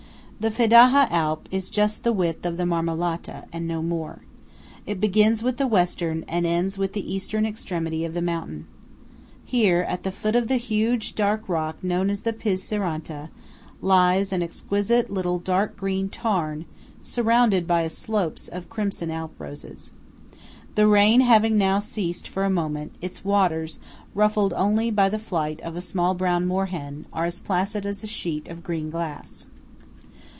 22 The Fedaja Alp is just the width of the Marmolata, and no more. It begins with the Western, and ends with the Eastern extremity of the mountain. Here, at the foot of the huge dark rock known as the Piz Seranta, lies an exquisite little dark green tarn surrounded by slopes of crimson Alp roses. The rain having now ceased for a moment, its waters, ruffled only by the flight of a small brown moor hen, are as placid as a sheet of green glass.